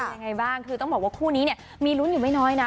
ยังไงบ้างคือต้องบอกว่าคู่นี้เนี่ยมีลุ้นอยู่ไม่น้อยนะ